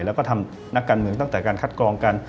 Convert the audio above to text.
แล้วก็ทำนักการเมืองตั้งแต่การคัดกรองกัน